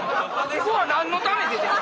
僕は何のために出てる？